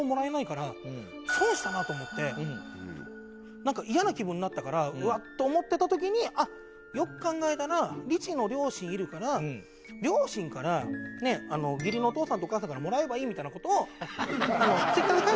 なんか嫌な気分になったから「うわっ」と思ってた時によく考えたらリチの両親いるから両親から義理のお父さんとお母さんからもらえばいいみたいな事をＴｗｉｔｔｅｒで書いたんですよ。